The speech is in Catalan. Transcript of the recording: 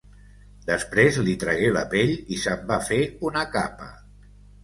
Després li tragué la pell i se'n va fer una capa.